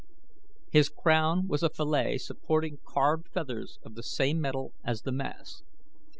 His crown was a fillet supporting carved feathers of the same metal as the mask.